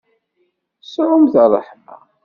Sɛumt ṛṛeḥma.